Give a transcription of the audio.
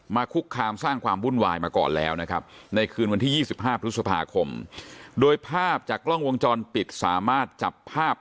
มาคุกคามสร้างความบุ่นวายมาก่อนแล้วนะครับ